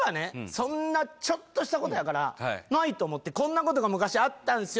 そんなちょっとしたことやからないと思って「こんなことが昔あったんですよ」